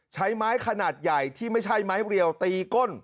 ใช้ไม้ขนาดใหญ่ที่ไม่ใช่ไม้เรียวตีก้น